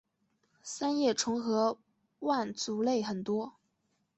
三叶虫和腕足类很多。